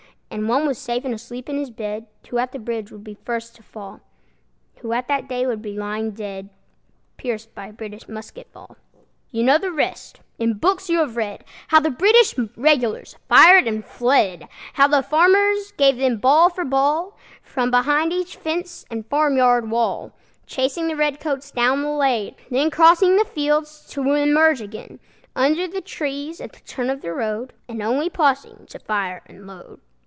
And one was safe and asleep in his bed Who at the bridge would be first to fall, Who that day would be lying dead, Pierced by a British musket ball. You know the rest. In the books you have read, How the British Regulars fired and fled, How the farmers gave them ball for ball, From behind each fence and farm yard wall, Chasing the red coats down the lane, Then crossing the fields to emerge again Under the trees at the turn of the road, And only pausing to fire and load.